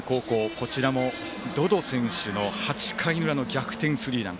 こちらも百々選手の８回裏の逆転スリーラン。